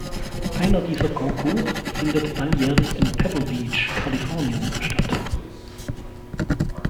Einer dieser Concours findet alljährlich in Pebble Beach, Kalifornien, statt.